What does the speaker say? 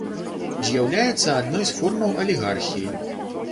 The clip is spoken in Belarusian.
З'яўляецца адной з формаў алігархіі.